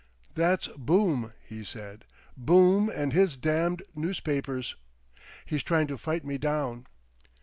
'" "That's Boom," he said. "Boom and his damned newspapers. He's trying to fight me down.